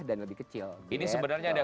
dan lebih kecil ini sebenarnya ada